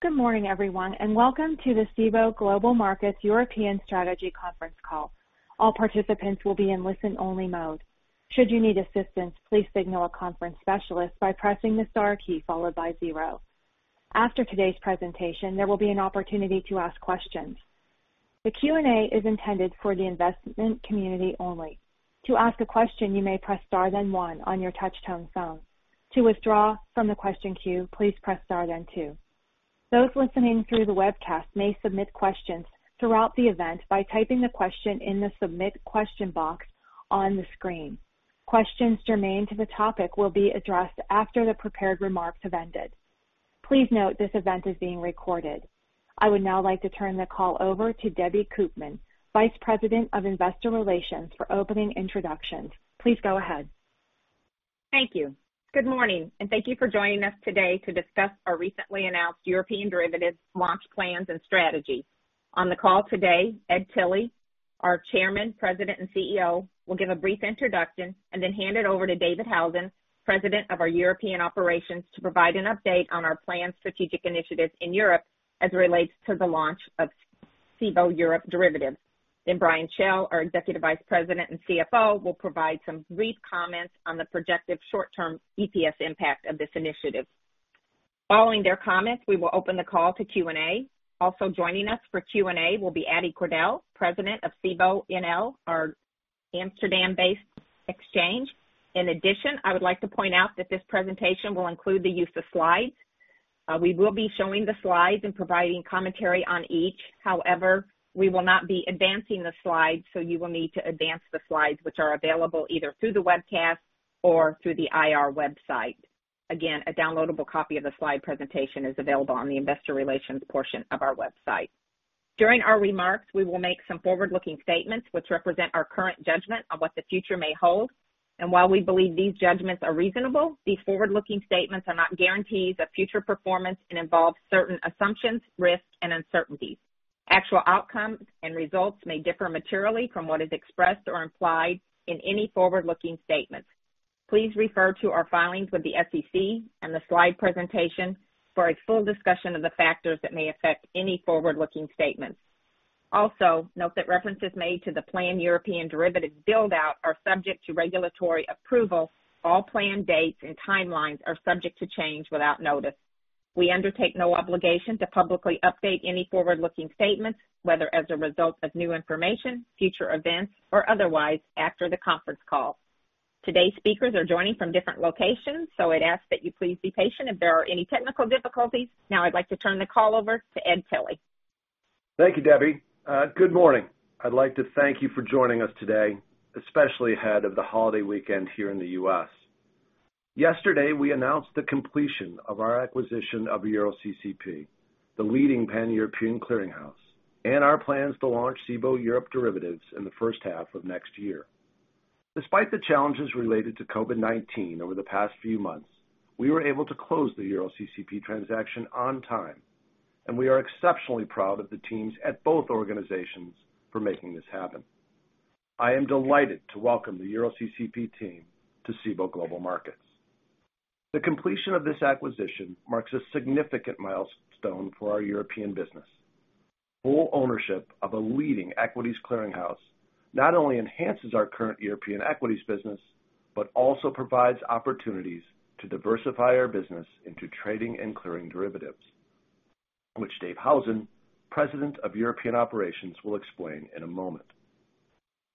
Good morning, everyone, and welcome to the Cboe Global Markets European Strategy conference call. All participants will be in listen-only mode. Should you need assistance, please signal a conference specialist by pressing the star key followed by zero. After today's presentation, there will be an opportunity to ask questions. The Q&A is intended for the investment community only. To ask a question, you may press star then one on your touch-tone phone. To withdraw from the question queue, please press star then two. Those listening through the webcast may submit questions throughout the event by typing the question in the submit question box on the screen. Questions germane to the topic will be addressed after the prepared remarks have ended. Please note this event is being recorded. I would now like to turn the call over to Debbie Koopman, Vice President of Investor Relations, for opening introductions. Please go ahead. Thank you. Good morning, and thank you for joining us today to discuss our recently announced European derivatives launch plans and strategies. On the call today, Ed Tilly, our Chairman, President, and CEO, will give a brief introduction and then hand it over to David Howson, President of our European Operations, to provide an update on our planned strategic initiatives in Europe as it relates to the launch of Cboe Europe Derivatives. Brian Schell, our Executive Vice President and CFO, will provide some brief comments on the projected short-term EPS impact of this initiative. Following their comments, we will open the call to Q&A. Also joining us for Q&A will be Ade Cordell, President of Cboe NL, our Amsterdam-based exchange. In addition, I would like to point out that this presentation will include the use of slides. We will be showing the slides and providing commentary on each. However, we will not be advancing the slides, so you will need to advance the slides which are available either through the webcast or through the IR website. Again, a downloadable copy of the slide presentation is available on the investor relations portion of our website. During our remarks, we will make some forward-looking statements which represent our current judgment of what the future may hold. While we believe these judgments are reasonable, these forward-looking statements are not guarantees of future performance and involve certain assumptions, risks, and uncertainties. Actual outcomes and results may differ materially from what is expressed or implied in any forward-looking statements. Please refer to our filings with the SEC and the slide presentation for a full discussion of the factors that may affect any forward-looking statements. Also, note that references made to the planned European derivatives build-out are subject to regulatory approval. All plan dates and timelines are subject to change without notice. We undertake no obligation to publicly update any forward-looking statements, whether as a result of new information, future events, or otherwise after the conference call. Today's speakers are joining from different locations, so I'd ask that you please be patient if there are any technical difficulties. Now I'd like to turn the call over to Ed Tilly. Thank you, Debbie. Good morning. I'd like to thank you for joining us today, especially ahead of the holiday weekend here in the U.S. Yesterday, we announced the completion of our acquisition of EuroCCP, the leading Pan-European clearinghouse, and our plans to launch Cboe Europe Derivatives in the first half of next year. Despite the challenges related to COVID-19 over the past few months, we were able to close the EuroCCP transaction on time. We are exceptionally proud of the teams at both organizations for making this happen. I am delighted to welcome the EuroCCP team to Cboe Global Markets. The completion of this acquisition marks a significant milestone for our European business. Full ownership of a leading equities clearinghouse not only enhances our current European equities business, but also provides opportunities to diversify our business into trading and clearing derivatives, which David Howson, President of European Operations, will explain in a moment.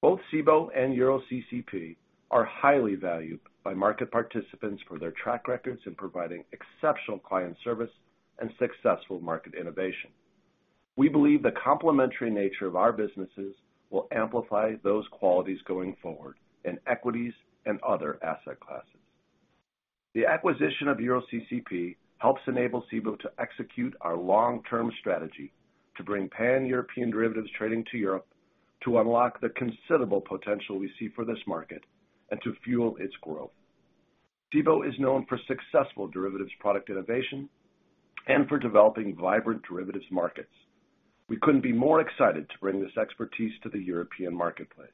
Both Cboe and EuroCCP are highly valued by market participants for their track records in providing exceptional client service and successful market innovation. We believe the complementary nature of our businesses will amplify those qualities going forward in equities and other asset classes. The acquisition of EuroCCP helps enable Cboe to execute our long-term strategy to bring Pan-European derivatives trading to Europe to unlock the considerable potential we see for this market and to fuel its growth. Cboe is known for successful derivatives product innovation and for developing vibrant derivatives markets. We couldn't be more excited to bring this expertise to the European marketplace.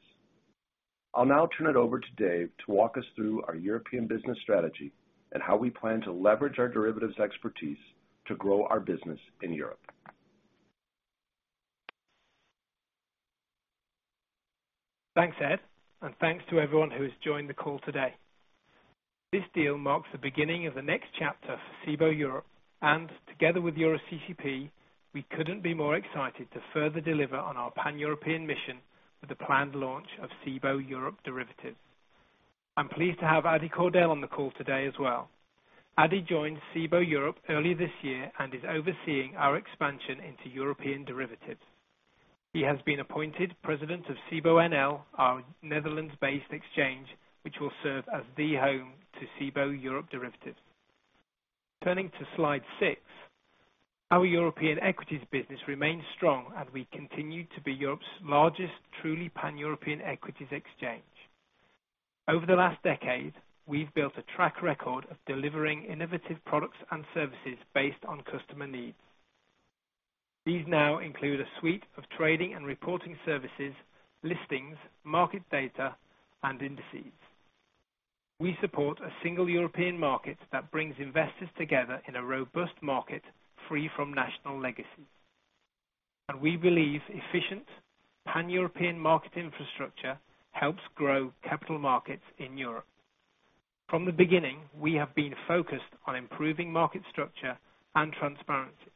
I'll now turn it over to Dave to walk us through our European business strategy and how we plan to leverage our derivatives expertise to grow our business in Europe. Thanks, Ed, and thanks to everyone who has joined the call today. This deal marks the beginning of the next chapter for Cboe Europe and together with EuroCCP, we couldn't be more excited to further deliver on our pan-European mission with the planned launch of Cboe Europe Derivatives. I'm pleased to have Ade Cordell on the call today as well. Ade joined Cboe Europe earlier this year and is overseeing our expansion into European derivatives. He has been appointed President of Cboe NL, our Netherlands-based exchange, which will serve as the home to Cboe Europe Derivatives. Turning to slide six, our European equities business remains strong as we continue to be Europe's largest truly pan-European equities exchange. Over the last decade, we've built a track record of delivering innovative products and services based on customer needs. These now include a suite of trading and reporting services, listings, market data, and indices. We support a single European market that brings investors together in a robust market, free from national legacy. We believe efficient pan-European market infrastructure helps grow capital markets in Europe. From the beginning, we have been focused on improving market structure and transparency.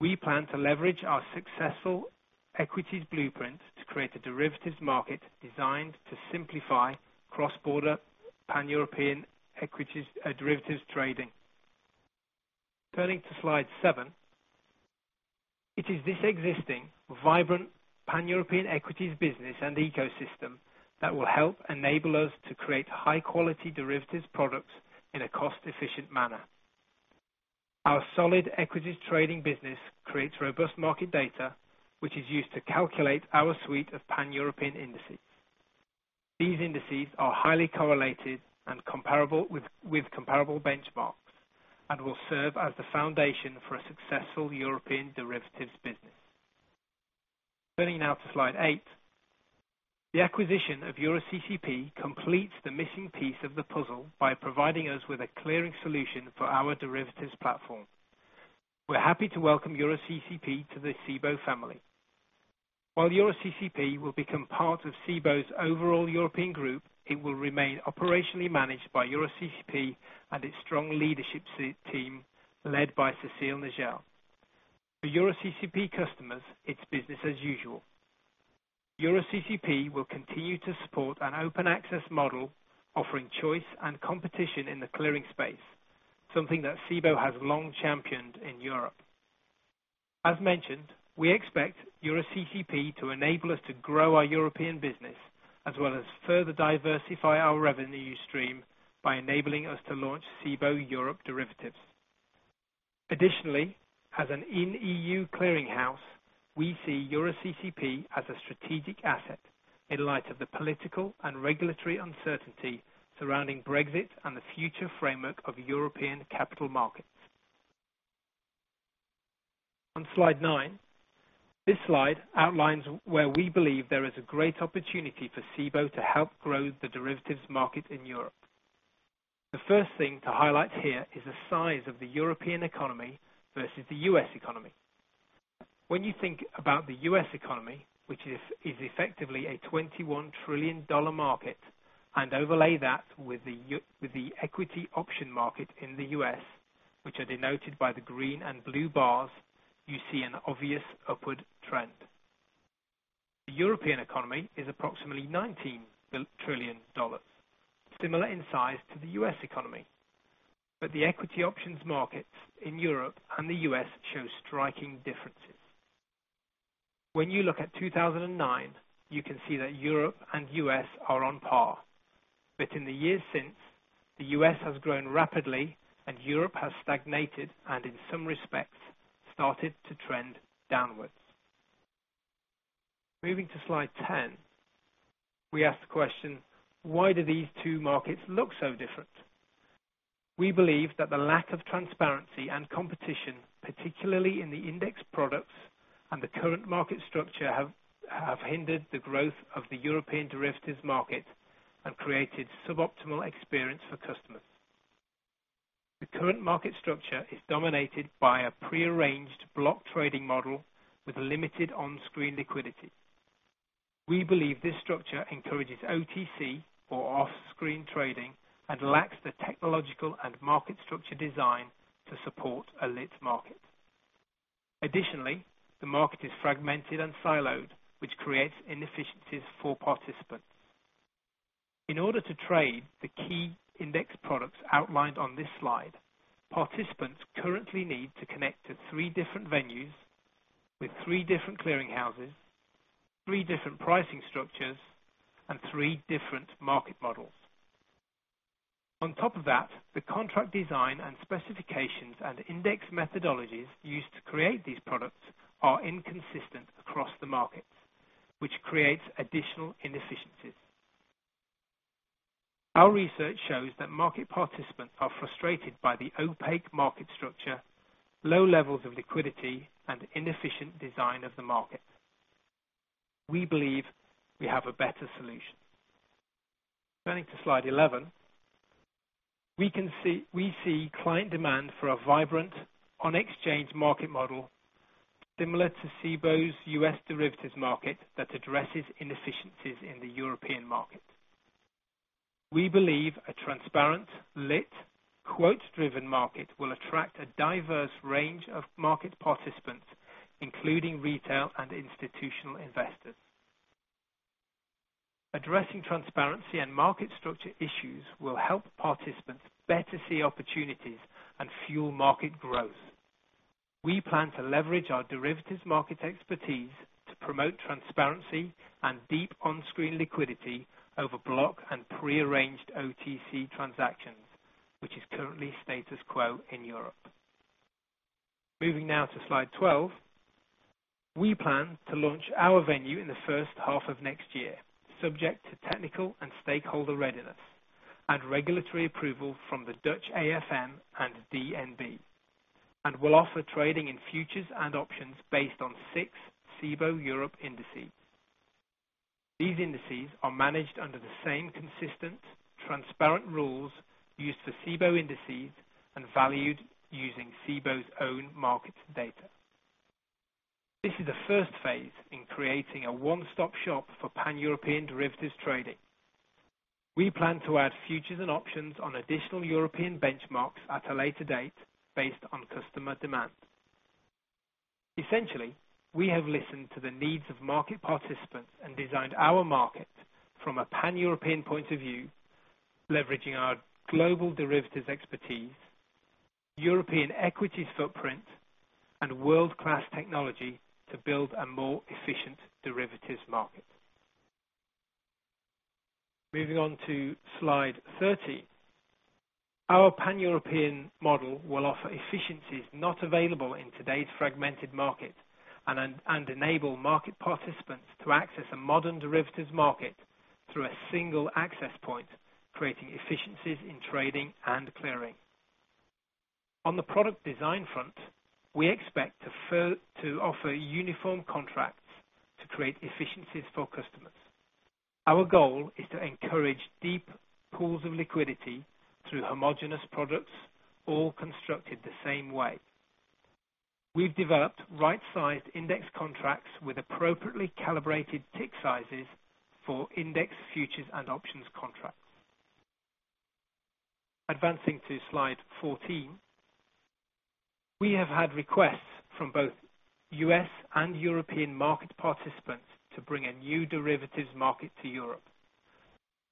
We plan to leverage our successful equities blueprint to create a derivatives market designed to simplify cross-border pan-European equities derivatives trading. Turning to slide seven. It is this existing, vibrant pan-European equities business and ecosystem that will help enable us to create high-quality derivatives products in a cost-efficient manner. Our solid equities trading business creates robust market data, which is used to calculate our suite of pan-European indices. These indices are highly correlated and comparable with comparable benchmarks and will serve as the foundation for a successful European derivatives business. Turning now to slide eight. The acquisition of EuroCCP completes the missing piece of the puzzle by providing us with a clearing solution for our derivatives platform. We're happy to welcome EuroCCP to the Cboe family. While EuroCCP will become part of Cboe's overall European group, it will remain operationally managed by EuroCCP and its strong leadership team, led by Edward Tilly. For EuroCCP customers, it's business as usual. EuroCCP will continue to support an open access model, offering choice and competition in the clearing space, something that Cboe has long championed in Europe. As mentioned, we expect EuroCCP to enable us to grow our European business, as well as further diversify our revenue stream by enabling us to launch Cboe Europe Derivatives. Additionally, as an in EU clearinghouse, we see EuroCCP as a strategic asset in light of the political and regulatory uncertainty surrounding Brexit and the future framework of European capital markets. On slide nine, this slide outlines where we believe there is a great opportunity for Cboe to help grow the derivatives market in Europe. The first thing to highlight here is the size of the European economy versus the U.S. economy. When you think about the U.S. economy, which is effectively a $21 trillion market, and overlay that with the equity option market in the U.S., which are denoted by the green and blue bars, you see an obvious upward trend. The European economy is approximately $19 trillion, similar in size to the U.S. economy, but the equity options markets in Europe and the U.S. show striking differences. When you look at 2009, you can see that Europe and U.S. are on par. In the years since, the U.S. has grown rapidly and Europe has stagnated and, in some respects, started to trend downward. Moving to slide 10, we ask the question: Why do these two markets look so different? We believe that the lack of transparency and competition, particularly in the index products and the current market structure, have hindered the growth of the European derivatives market and created suboptimal experience for customers. The current market structure is dominated by a prearranged block trading model with limited on-screen liquidity. We believe this structure encourages OTC or off-screen trading and lacks the technological and market structure design to support a lit market. Additionally, the market is fragmented and siloed, which creates inefficiencies for participants. In order to trade the key index products outlined on this slide, participants currently need to connect to three different venues with three different clearinghouses, three different pricing structures, and three different market models. On top of that, the contract design and specifications and index methodologies used to create these products are inconsistent across the markets, which creates additional inefficiencies. Our research shows that market participants are frustrated by the opaque market structure, low levels of liquidity, and inefficient design of the market. We believe we have a better solution. Turning to slide 11. We see client demand for a vibrant on-exchange market model similar to Cboe's U.S. derivatives market that addresses inefficiencies in the European market. We believe a transparent, lit, quote-driven market will attract a diverse range of market participants, including retail and institutional investors. Addressing transparency and market structure issues will help participants better see opportunities and fuel market growth. We plan to leverage our derivatives market expertise to promote transparency and deep on-screen liquidity over block and prearranged OTC transactions, which is currently status quo in Europe. Moving now to slide 12. We plan to launch our venue in the first half of next year, subject to technical and stakeholder readiness and regulatory approval from the Dutch AFM and DNB, and will offer trading in futures and options based on six Cboe Europe indices. These indices are managed under the same consistent, transparent rules used for Cboe indices and valued using Cboe's own market data. This is the first phase in creating a one-stop shop for pan-European derivatives trading. We plan to add futures and options on additional European benchmarks at a later date based on customer demand. Essentially, we have listened to the needs of market participants and designed our market from a pan-European point of view, leveraging our global derivatives expertise, European equities footprint, and world-class technology to build a more efficient derivatives market. Moving on to slide 13. Our pan-European model will offer efficiencies not available in today's fragmented market and enable market participants to access a modern derivatives market through a single access point, creating efficiencies in trading and clearing. On the product design front, we expect to offer uniform contracts to create efficiencies for customers. Our goal is to encourage deep pools of liquidity through homogeneous products, all constructed the same way. We've developed right-sized index contracts with appropriately calibrated tick sizes for index futures and options contracts. Advancing to slide 14. We have had requests from both U.S. and European market participants to bring a new derivatives market to Europe.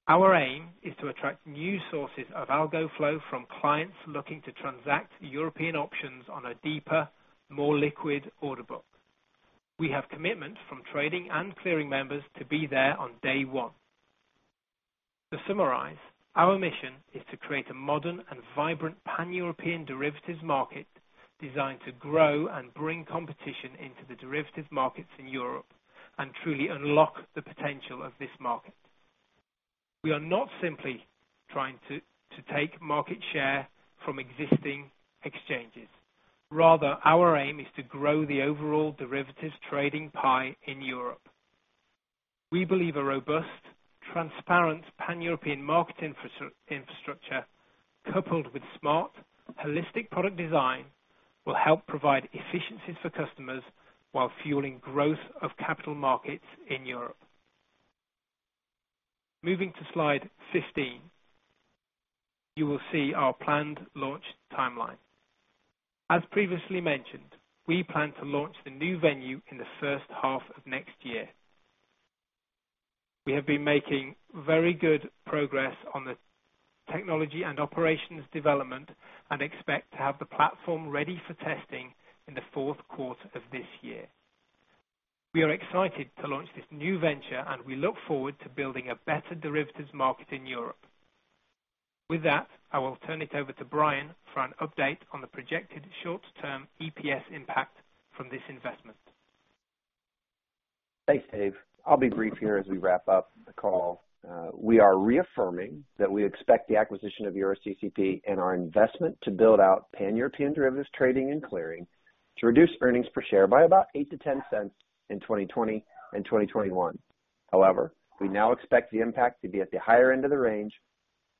Our aim is to attract new sources of algo flow from clients looking to transact European options on a deeper, more liquid order book. We have commitments from trading and clearing members to be there on day one. To summarize, our mission is to create a modern and vibrant pan-European derivatives market designed to grow and bring competition into the derivatives markets in Europe and truly unlock the potential of this market. We are not simply trying to take market share from existing exchanges. Rather, our aim is to grow the overall derivatives trading pie in Europe. We believe a robust, transparent pan-European market infrastructure coupled with smart, holistic product design will help provide efficiencies for customers while fueling growth of capital markets in Europe. Moving to slide 15, you will see our planned launch timeline. As previously mentioned, we plan to launch the new venue in the first half of next year. We have been making very good progress on the technology and operations development and expect to have the platform ready for testing in the fourth quarter of this year. We are excited to launch this new venture, and we look forward to building a better derivatives market in Europe. With that, I will turn it over to Brian for an update on the projected short-term EPS impact from this investment. Thanks, Dave. I'll be brief here as we wrap up the call. We are reaffirming that we expect the acquisition of EuroCCP and our investment to build out pan-European derivatives trading and clearing to reduce earnings per share by about $0.08-$0.10 in 2020 and 2021. We now expect the impact to be at the higher end of the range,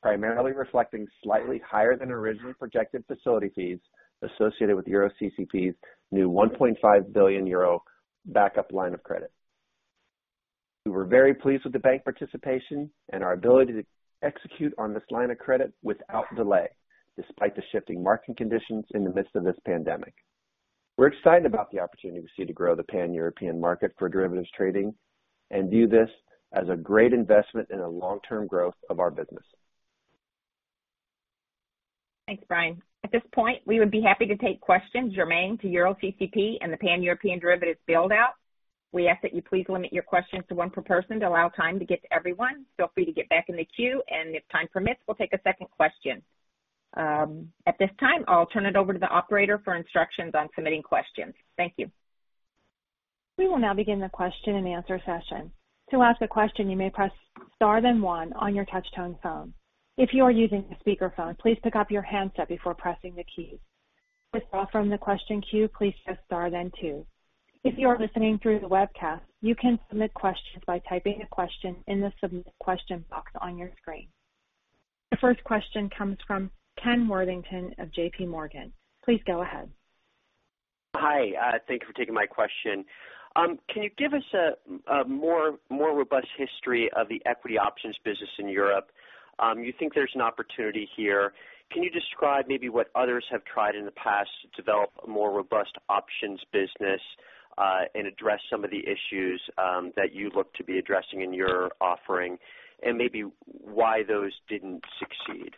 primarily reflecting slightly higher than originally projected facility fees associated with EuroCCP's new 1.5 billion euro backup line of credit. We were very pleased with the bank participation and our ability to execute on this line of credit without delay, despite the shifting market conditions in the midst of this pandemic. We're excited about the opportunity we see to grow the pan-European market for derivatives trading and view this as a great investment in the long-term growth of our business. Thanks, Brian. At this point, we would be happy to take questions germane to EuroCCP and the pan-European derivatives build-out. We ask that you please limit your questions to one per person to allow time to get to everyone. Feel free to get back in the queue, and if time permits, we'll take a second question. At this time, I'll turn it over to the operator for instructions on submitting questions. Thank you. We will now begin the question and answer session. To ask a question, you may press star then one on your touch-tone phone. If you are using a speakerphone, please pick up your handset before pressing the keys. To withdraw from the question queue, please press star then two. If you are listening through the webcast, you can submit questions by typing a question in the submit question box on your screen. The first question comes from Kenneth Worthington of J.P. Morgan. Please go ahead. Hi. Thank you for taking my question. Can you give us a more robust history of the equity options business in Europe? You think there's an opportunity here. Can you describe maybe what others have tried in the past to develop a more robust options business, and address some of the issues that you look to be addressing in your offering, and maybe why those didn't succeed?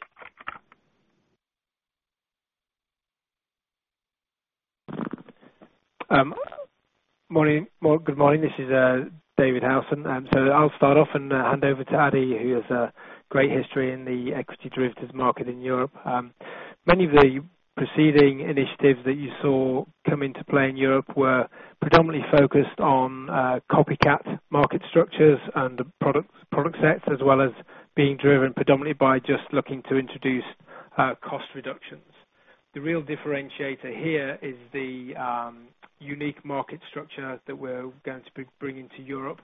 Good morning. This is David Howson. I'll start off and hand over to Ade, who has a great history in the equity derivatives market in Europe. Many of the preceding initiatives that you saw come into play in Europe were predominantly focused on copycat market structures and the product sets, as well as being driven predominantly by just looking to introduce cost reductions. The real differentiator here is the unique market structure that we're going to be bringing to Europe,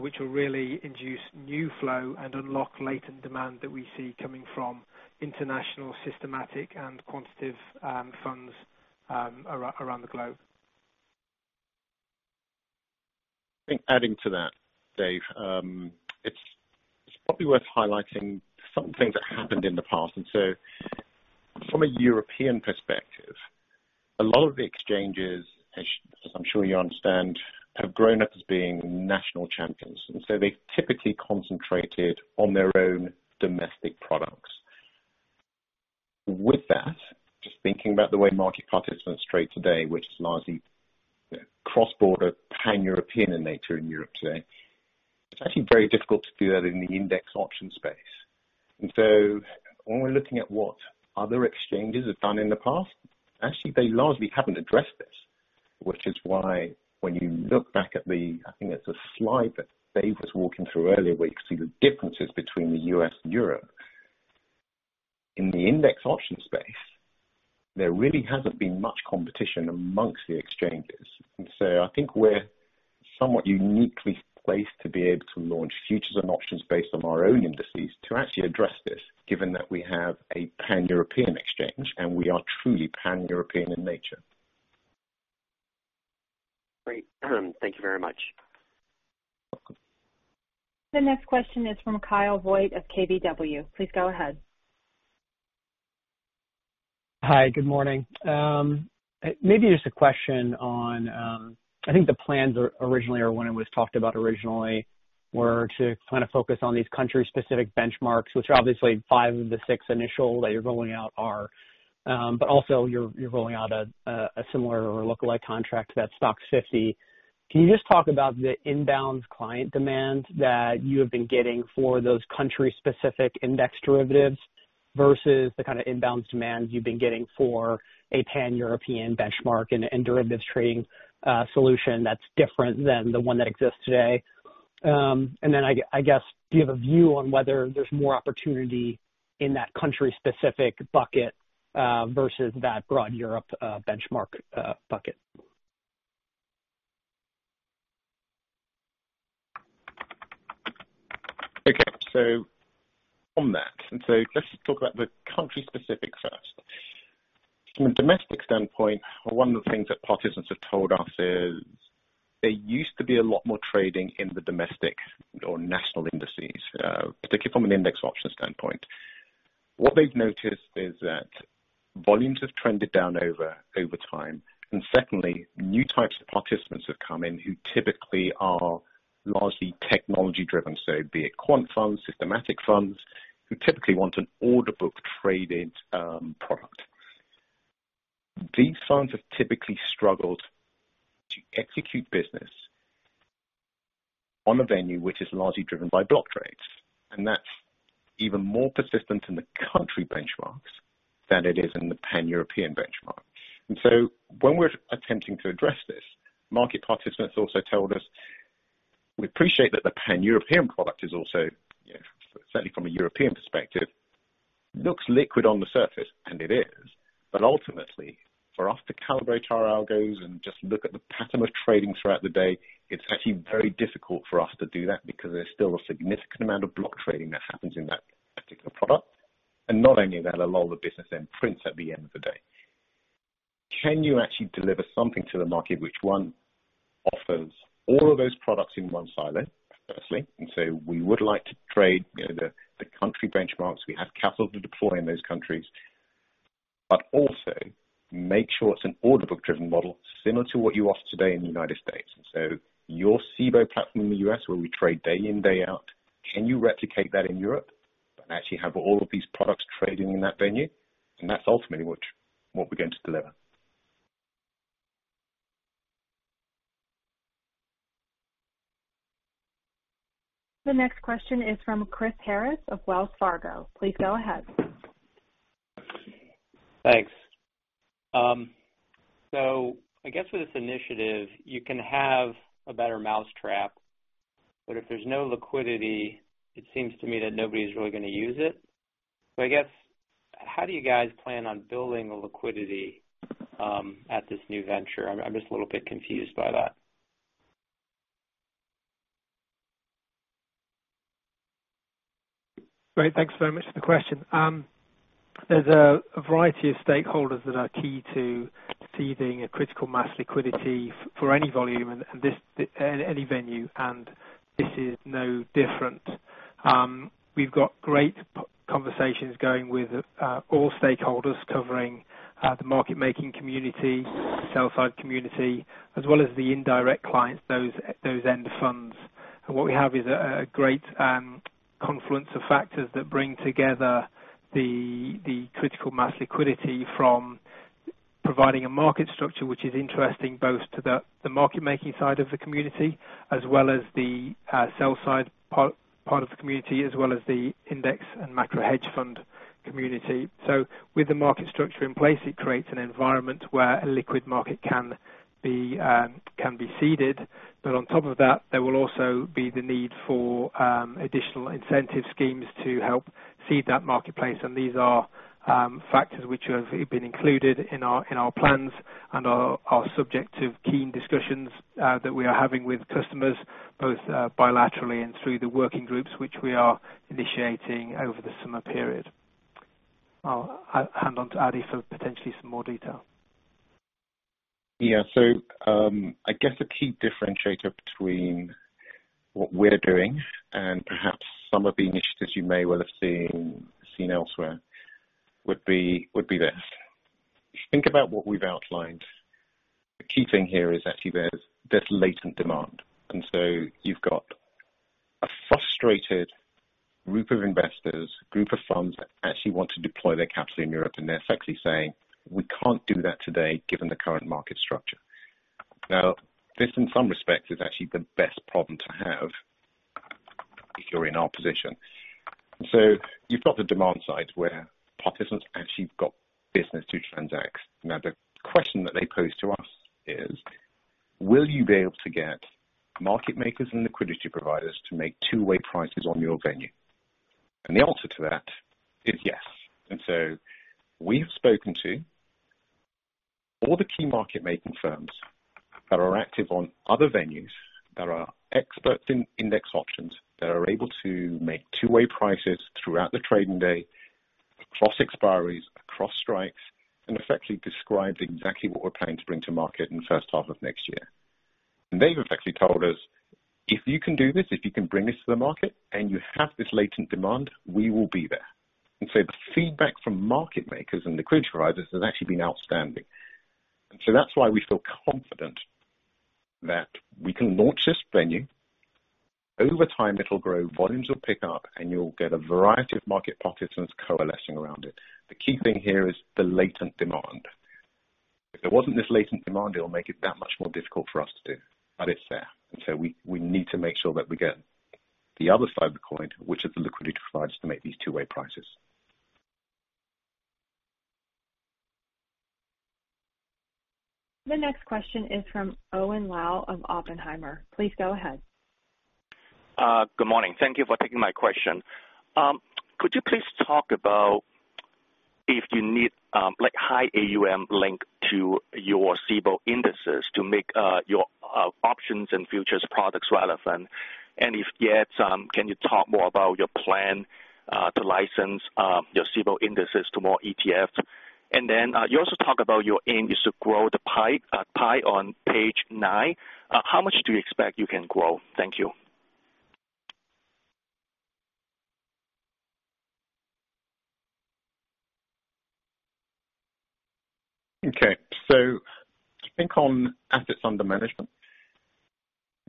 which will really induce new flow and unlock latent demand that we see coming from international, systematic, and quantitative funds around the globe. I think adding to that, Dave, it's probably worth highlighting something that happened in the past. From a European perspective, a lot of the exchanges, as I'm sure you understand, have grown up as being national champions, and so they typically concentrated on their own domestic products. With that, just thinking about the way market participants trade today, which is largely cross-border, pan-European in nature in Europe today, it's actually very difficult to do that in the index option space. When we're looking at what other exchanges have done in the past, actually, they largely haven't addressed this, which is why when you look back at the, I think it's a slide that Dave was walking through earlier, where you can see the differences between the U.S. and Europe. In the index option space, there really hasn't been much competition amongst the exchanges. I think we're somewhat uniquely placed to be able to launch futures and options based on our own indices to actually address this, given that we have a pan-European exchange, and we are truly pan-European in nature. Great. Thank you very much. You're welcome. The next question is from Kyle Voigt of KBW. Please go ahead. Hi. Good morning. Maybe just a question on, I think the plans originally, or when it was talked about originally, were to kind of focus on these country-specific benchmarks, which are obviously five of the six initial that you're rolling out are. Also you're rolling out a similar or lookalike contract to that STOXX 50. Can you just talk about the inbound client demands that you have been getting for those country-specific index derivatives versus the kind of inbounds demands you've been getting for a pan-European benchmark and derivatives trading solution that's different than the one that exists today? Then, I guess, do you have a view on whether there's more opportunity in that country-specific bucket versus that broad Europe benchmark bucket? Okay. On that, let's talk about the country specific first. From a domestic standpoint, one of the things that participants have told us is there used to be a lot more trading in the domestic or national indices, particularly from an index option standpoint. What they've noticed is that volumes have trended down over time. Secondly, new types of participants have come in who typically are largely technology-driven, so be it quant funds, systematic funds, who typically want an order book traded product. These funds have typically struggled to execute business on a venue which is largely driven by block trades, and that's even more persistent in the country benchmarks than it is in the pan-European benchmark. When we're attempting to address this, market participants also told us, "We appreciate that the pan-European product is also," certainly from a European perspective, "looks liquid on the surface," and it is. "Ultimately, for us to calibrate our algos and just look at the pattern of trading throughout the day, it's actually very difficult for us to do that because there's still a significant amount of block trading that happens in that particular product. Not only that, a lot of the business then prints at the end of the day." Can you actually deliver something to the market which, one, offers all of those products in one silo, firstly, and so we would like to trade the country benchmarks. We have capital to deploy in those countries. Also make sure it's an order book-driven model similar to what you offer today in the U.S. Your Cboe platform in the U.S. where we trade day in, day out, can you replicate that in Europe and actually have all of these products trading in that venue? That's ultimately what we're going to deliver. The next question is from Chris Harris of Wells Fargo. Please go ahead. Thanks. I guess with this initiative, you can have a better mousetrap, but if there's no liquidity, it seems to me that nobody's really going to use it. I guess, how do you guys plan on building the liquidity at this new venture? I'm just a little bit confused by that. Great. Thanks very much for the question. There's a variety of stakeholders that are key to seeding a critical mass liquidity for any volume and any venue, and this is no different. We've got great conversations going with all stakeholders covering the market making community, the sell side community, as well as the indirect clients, those end funds. What we have is a great confluence of factors that bring together the critical mass liquidity from providing a market structure, which is interesting both to the market-making side of the community, as well as the sell side part of the community, as well as the index and macro hedge fund community. With the market structure in place, it creates an environment where a liquid market can be seeded. On top of that, there will also be the need for additional incentive schemes to help seed that marketplace. These are factors which have been included in our plans and are subject to keen discussions that we are having with customers, both bilaterally and through the working groups which we are initiating over the summer period. I'll hand on to Ade for potentially some more detail. Yeah. I guess a key differentiator between what we're doing and perhaps some of the initiatives you may well have seen elsewhere would be this. If you think about what we've outlined, the key thing here is actually there's this latent demand. You've got a frustrated group of investors, group of funds that actually want to deploy their capital in Europe, and they're effectively saying, "We can't do that today given the current market structure." This, in some respects, is actually the best problem to have if you're in our position. You've got the demand side where participants actually have got business to transact. The question that they pose to us is, will you be able to get market makers and liquidity providers to make two-way prices on your venue? The answer to that is yes. We have spoken to all the key market-making firms that are active on other venues, that are experts in index options, that are able to make two-way prices throughout the trading day, across expiries, across strikes, and effectively describe exactly what we're planning to bring to market in the first half of next year. They've effectively told us, "If you can do this, if you can bring this to the market and you have this latent demand, we will be there." The feedback from market makers and liquidity providers has actually been outstanding. That's why we feel confident that we can launch this venue. Over time, it'll grow, volumes will pick up, and you'll get a variety of market participants coalescing around it. The key thing here is the latent demand. If there wasn't this latent demand, it would make it that much more difficult for us to do. It's there, and so we need to make sure that we get the other side of the coin, which is the liquidity providers to make these two-way prices. The next question is from Owen Lau of Oppenheimer. Please go ahead. Good morning. Thank you for taking my question. Could you please talk about if you need high AUM linked to your Cboe indexes to make your options and futures products relevant? If yes, can you talk more about your plan to license your Cboe indexes to more ETFs? You also talk about your aim is to grow the pie on page nine. How much do you expect you can grow? Thank you. Okay. I think on assets under management,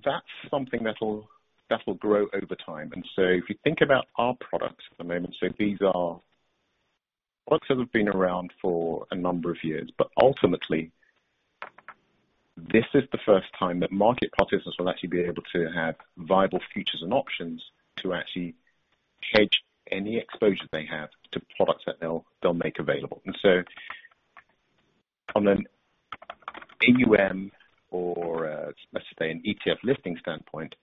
that'll grow over time. If you think about our products at the moment, these are products that have been around for a number of years, but ultimately, this is the first time that market participants will actually be able to have viable futures and options to actually hedge any exposure they have to products that they'll make available. From an AUM or, let's say, an ETF listing standpoint,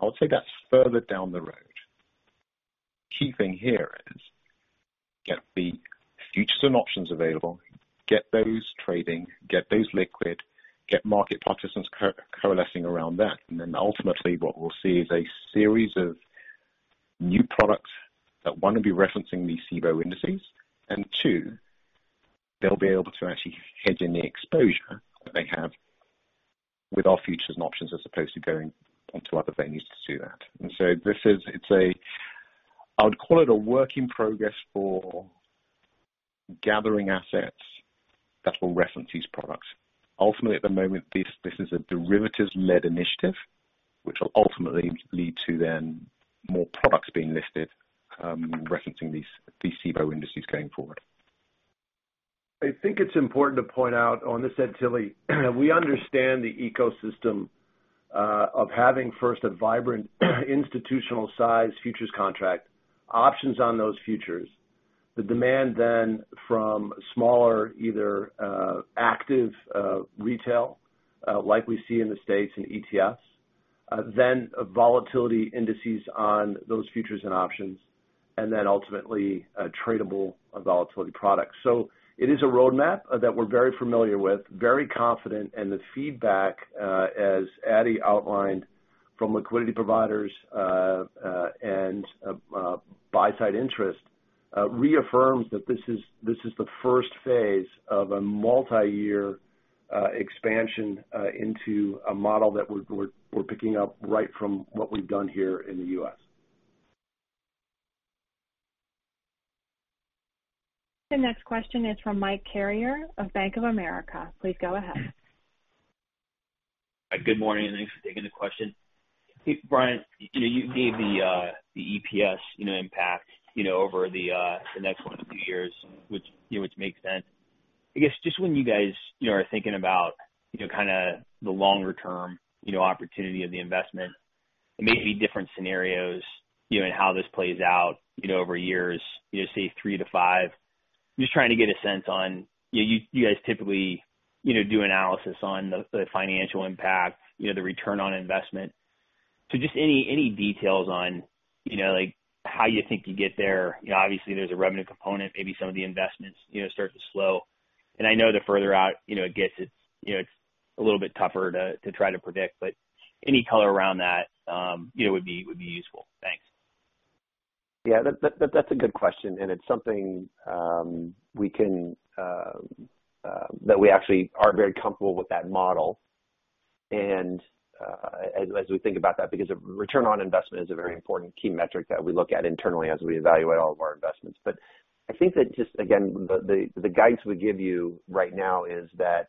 I would say that's further down the road. Key thing here is get the futures and options available, get those trading, get those liquid, get market participants coalescing around that, and then ultimately what we'll see is a series of new products that, one, will be referencing these Cboe indices, and two, they'll be able to actually hedge any exposure that they have with our futures and options as opposed to going onto other venues to do that. I would call it a work in progress for gathering assets that will reference these products. Ultimately, at the moment, this is a derivatives-led initiative, which will ultimately lead to then more products being listed, referencing these Cboe indices going forward. I think it's important to point out, this Ed Tilly. We understand the ecosystem of having first a vibrant institutional size futures contract, options on those futures, the demand then from smaller, either active retail like we see in the U.S. and ETFs, then volatility indices on those futures and options, and then ultimately tradable volatility products. It is a roadmap that we're very familiar with, very confident, and the feedback, as Ade outlined from liquidity providers and buy side interest, reaffirms that this is the first phase of a multi-year expansion into a model that we're picking up right from what we've done here in the U.S. The next question is from Michael Carrier of Bank of America. Please go ahead. Good morning. Thanks for taking the question. Brian, you gave the EPS impact over the next 1-2 years, which makes sense. I guess just when you guys are thinking about kind of the longer-term opportunity of the investment, it may be different scenarios, and how this plays out over years, say 3-5. Just any details on how you think you get there? Obviously, there's a revenue component, maybe some of the investments start to slow. I know the further out it gets, it's a little bit tougher to try to predict, but any color around that would be useful. Thanks. Yeah. That's a good question, and it's something that we actually are very comfortable with that model. As we think about that, because return on investment is a very important key metric that we look at internally as we evaluate all of our investments. I think that just, again, the guidance we give you right now is that,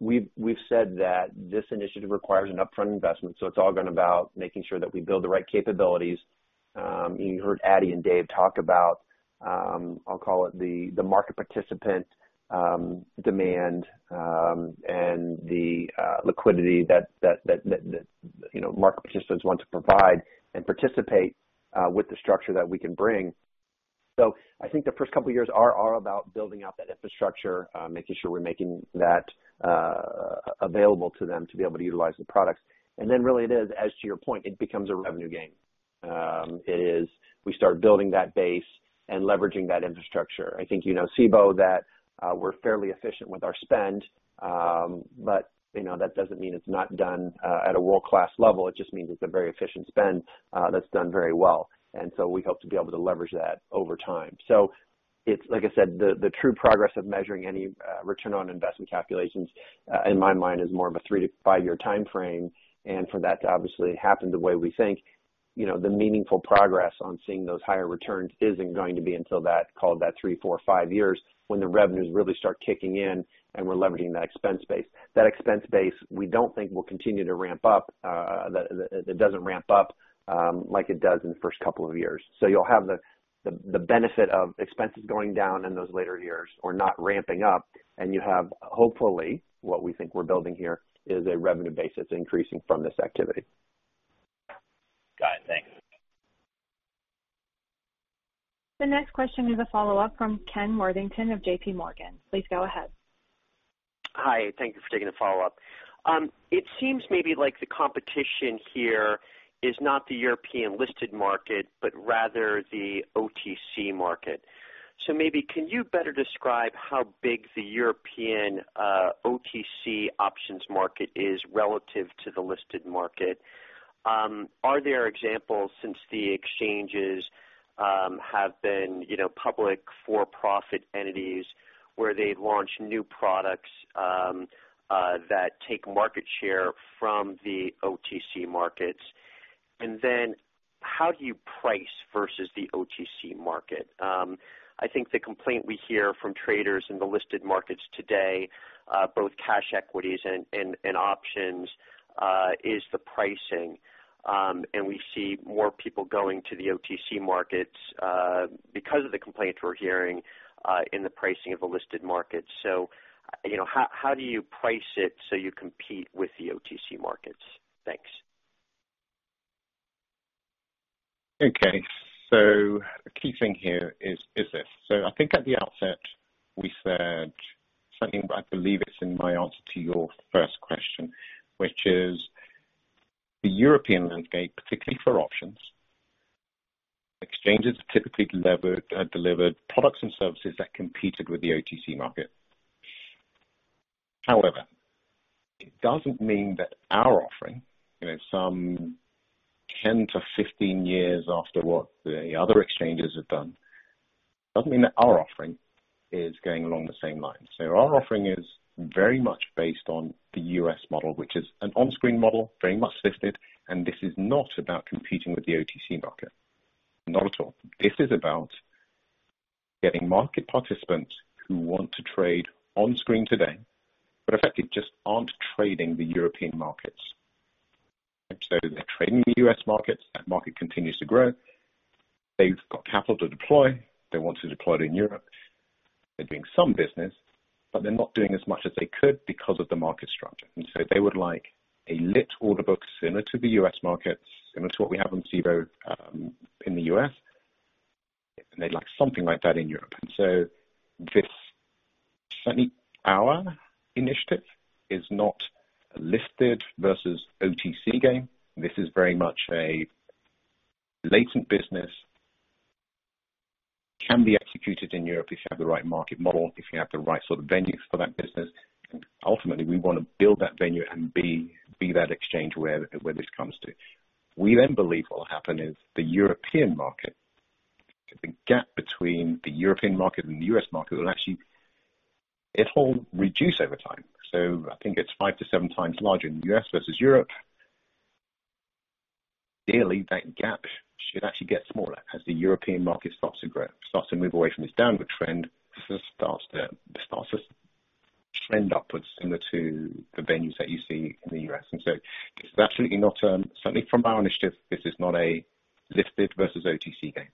we've said that this initiative requires an upfront investment. It's all been about making sure that we build the right capabilities. You heard Ade and David talk about, I'll call it the market participant demand, and the liquidity that market participants want to provide and participate with the structure that we can bring. I think the first couple of years are about building out that infrastructure, making sure we're making that available to them to be able to utilize the products. Really it is, as to your point, it becomes a revenue game. It is, we start building that base and leveraging that infrastructure. I think you know, Cboe, that we're fairly efficient with our spend. That doesn't mean it's not done at a world-class level. It just means it's a very efficient spend that's done very well. We hope to be able to leverage that over time. It's like I said, the true progress of measuring any return on investment calculations, in my mind, is more of a three- to five-year timeframe. For that to obviously happen the way we think, the meaningful progress on seeing those higher returns isn't going to be until that, call it that three, four, five years when the revenues really start kicking in and we're leveraging that expense base. That expense base, we don't think will continue to ramp up. It doesn't ramp up like it does in the first couple of years. You'll have the benefit of expenses going down in those later years or not ramping up, and you have, hopefully, what we think we're building here is a revenue base that's increasing from this activity. Got it. Thanks. The next question is a follow-up from Kenneth Worthington of J.P. Morgan. Please go ahead. Hi. Thank you for taking the follow-up. It seems maybe like the competition here is not the European-listed market, but rather the OTC market. Maybe can you better describe how big the European OTC options market is relative to the listed market? Are there examples since the exchanges have been public for-profit entities where they've launched new products that take market share from the OTC markets? How do you price versus the OTC market? I think the complaint we hear from traders in the listed markets today, both cash equities and options, is the pricing. We see more people going to the OTC markets because of the complaints we're hearing in the pricing of the listed markets. How do you price it so you compete with the OTC markets? Thanks. Okay. The key thing here is this. I think at the outset we said something, but I believe it's in my answer to your first question, which is the European landscape, particularly for options, exchanges typically delivered products and services that competed with the OTC market. However, it doesn't mean that our offering, some 10-15 years after what the other exchanges have done, doesn't mean that our offering is going along the same lines. Our offering is very much based on the U.S. model, which is an on-screen model, very much listed, and this is not about competing with the OTC market. Not at all. This is about getting market participants who want to trade on-screen today, but effectively just aren't trading the European markets. They're trading the U.S. markets. That market continues to grow. They've got capital to deploy. They want to deploy it in Europe. They're doing some business, but they're not doing as much as they could because of the market structure. They would like a lit order book similar to the U.S. markets, similar to what we have on Cboe in the U.S., and they'd like something like that in Europe. Certainly our initiative is not a listed versus OTC game. This is very much a latent business, can be executed in Europe if you have the right market model, if you have the right sort of venue for that business. Ultimately, we want to build that venue and be that exchange where this comes to. We believe what will happen is the European market, the gap between the European market and the U.S. market will actually reduce over time. I think it's five to seven times larger in the U.S. versus Europe. Clearly, that gap should actually get smaller as the European market starts to grow, starts to move away from this downward trend, starts to trend upwards similar to the venues that you see in the U.S. It's absolutely not, certainly from our initiative, this is not a listed versus OTC game.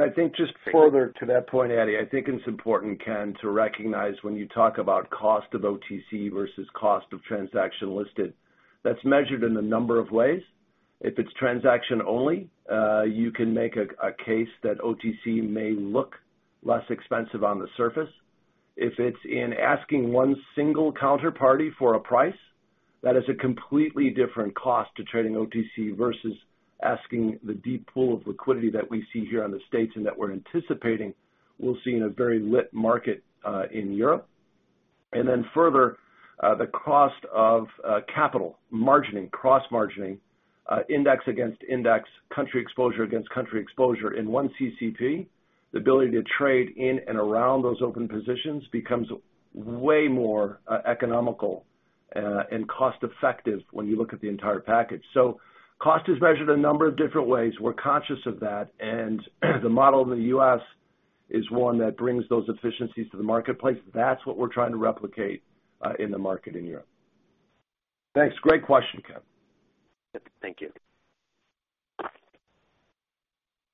I think just further to that point, Ade, I think it's important, Ken, to recognize when you talk about cost of OTC versus cost of transaction listed, that's measured in a number of ways. If it's transaction only, you can make a case that OTC may look less expensive on the surface. If it's in asking one single counterparty for a price, that is a completely different cost to trading OTC versus asking the deep pool of liquidity that we see here in the States and that we're anticipating we'll see in a very lit market in Europe. Then further, the cost of capital margining, cross margining, index against index, country exposure against country exposure in one CCP, the ability to trade in and around those open positions becomes way more economical and cost-effective when you look at the entire package. Cost is measured a number of different ways. We're conscious of that, and the model in the U.S. is one that brings those efficiencies to the marketplace. That's what we're trying to replicate in the market in Europe. Thanks. Great question, Ken. Thank you.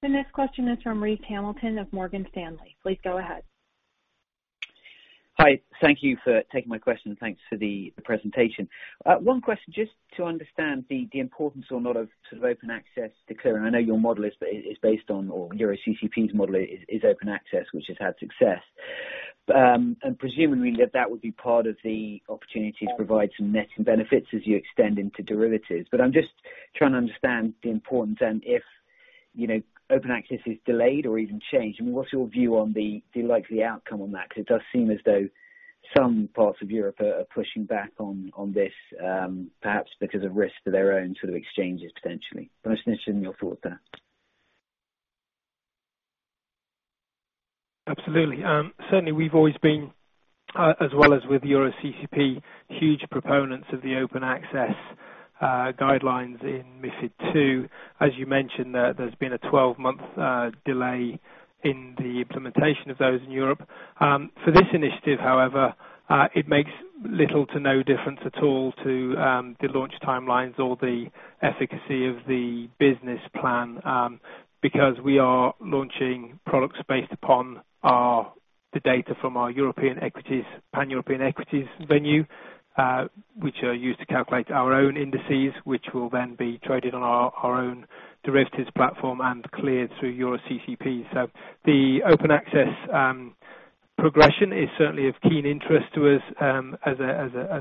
The next question is from Richard Hamilton of Morgan Stanley. Please go ahead. Hi. Thank you for taking my question. Thanks for the presentation. One question just to understand the importance or not of open access to clearing. I know your model is based on, or EuroCCP's model is open access, which has had success. Presumably that would be part of the opportunity to provide some net benefits as you extend into derivatives. I'm just trying to understand the importance and if open access is delayed or even changed, what's your view on the likely outcome on that? It does seem as though some parts of Europe are pushing back on this, perhaps because of risk to their own exchanges potentially. I'm just interested in your thoughts there. Absolutely. Certainly, we've always been, as well as with EuroCCP, huge proponents of the open access guidelines in MiFID II. As you mentioned, there's been a 12-month delay in the implementation of those in Europe. For this initiative, however, it makes little to no difference at all to the launch timelines or the efficacy of the business plan, because we are launching products based upon the data from our European equities, Pan-European equities venue, which are used to calculate our own indices, which will then be traded on our own derivatives platform and cleared through EuroCCP. The open access progression is certainly of keen interest to us as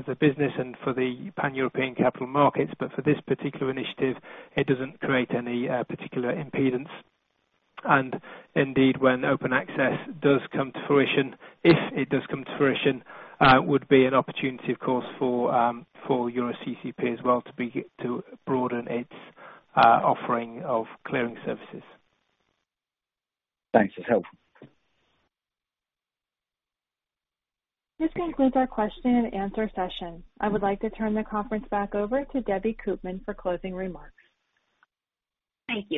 a business and for the Pan-European capital markets. For this particular initiative, it doesn't create any particular impedance. Indeed, when open access does come to fruition, if it does come to fruition, would be an opportunity, of course, for EuroCCP as well to broaden its offering of clearing services. Thanks. That's helpful. This concludes our question and answer session. I would like to turn the conference back over to Debbie Koopman for closing remarks. Thank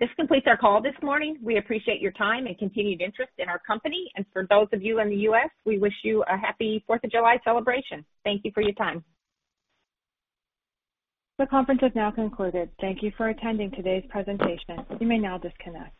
you. This completes our call this morning. We appreciate your time and continued interest in our company. For those of you in the U.S., we wish you a happy Fourth of July celebration. Thank you for your time. The conference has now concluded. Thank you for attending today's presentation. You may now disconnect.